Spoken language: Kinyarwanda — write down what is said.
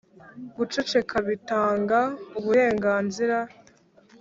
guceceka bitanga uburenganzira.